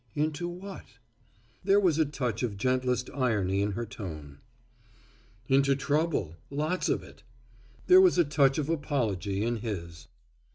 "Into what?" There was a touch of gentlest irony in her tone. "Into trouble, lots of it." There was a touch of apology in his.